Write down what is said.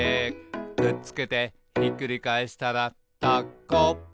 「くっつけてひっくり返したらタコ」